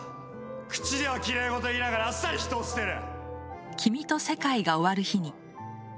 口ではきれい事言いながらあっさり人を捨てる。